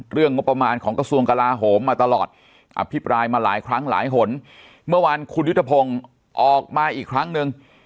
งบประมาณของกระทรวงกลาโหมมาตลอดอภิปรายมาหลายครั้งหลายหนเมื่อวานคุณยุทธพงศ์ออกมาอีกครั้งนึง